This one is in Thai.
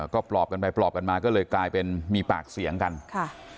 ก็ปลอบกันไปปลอบกันมาก็เลยกลายเป็นมีปากเสียงกันค่ะ